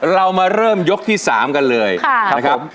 เรามาเริ่มยกที่๓กันเลยนะครับ